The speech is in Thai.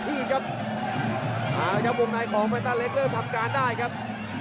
มากเคี้ยววงในของแฟนต้าเล็กเริ่มทางการได้ครับ